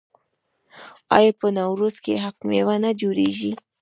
آیا په نوروز کې هفت میوه نه جوړیږي؟